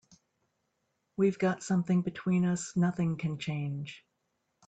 We've got something between us nothing can change.